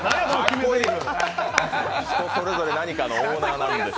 人それぞれ何かのオーナーなんですけど。